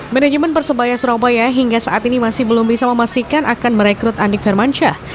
manajemen persebaya surabaya hingga saat ini masih belum bisa memastikan akan merekrut andik firmansyah